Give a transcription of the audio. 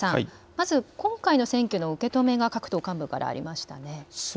まず今回の選挙の受け止めが各党幹部からありましたね。